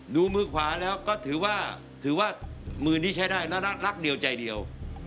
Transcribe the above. ดูมือขวาแล้วก็ถือว่าถือว่ามือนี้ใช้ได้น่ารักเดียวใจเดียว